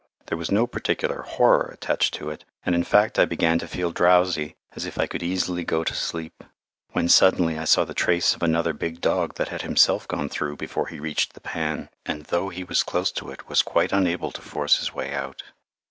There was no particular horror attached to it, and in fact I began to feel drowsy, as if I could easily go to sleep, when suddenly I saw the trace of another big dog that had himself gone through before he reached the pan, and though he was close to it was quite unable to force his way out.